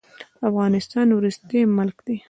افغانستان وروستی ملک دی.